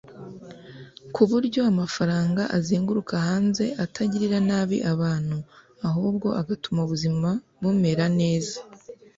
ku buryo amafaranga azenguruka hanze atagirira nabi abantu ahubwo agatuma ubuzima bumera neza”